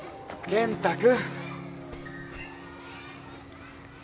健太君。